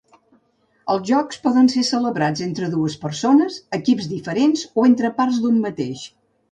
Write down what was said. Els jocs poden ser celebrats entre dues persones, equips diferents o entre parts d'un mateix.